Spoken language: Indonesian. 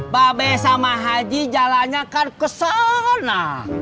babe sama haji jalannya kan ke sana